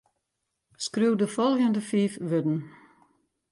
Skriuw de folgjende fiif wurden.